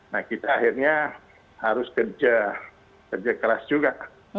nah kita akhirnya harus kerja kerja keras juga